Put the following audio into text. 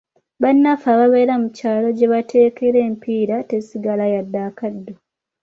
Bannaffe ababeera mu kyalo gye bateekera empiira tesigala yadde akaddo!